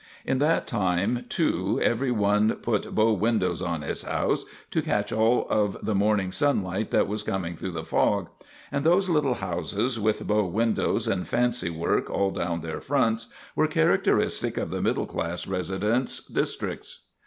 In that time, too every one put bow windows on his house to catch all of the morning sunlight that was coming through the fog; and those little houses, with bow windows and fancy work all down their fronts, were characteristic of the middle class residence districts.